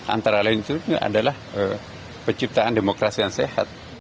antara lain itu adalah penciptaan demokrasi yang sehat